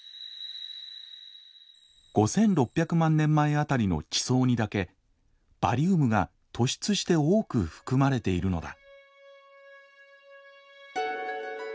５，６００万年前辺りの地層にだけバリウムが突出して多く含まれているのだ。